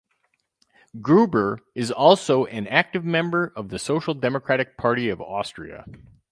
Gruber is also an active member of the Social Democratic Party of Austria.